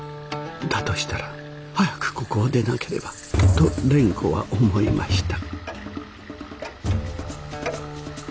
だとしたら早くここを出なければと蓮子は思いました。